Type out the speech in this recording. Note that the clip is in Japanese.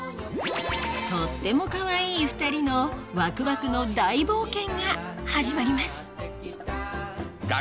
とってもかわいい２人のワクワクの大冒険が始まります